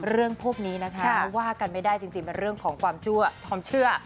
เรื่องพวกนี้นะคะว่ากันไม่ได้จริงเป็นเรื่องของความเชื่อ